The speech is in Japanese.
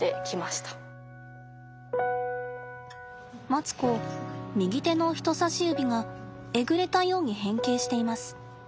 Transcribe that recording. マツコ右手の人さし指がえぐれたように変形しています。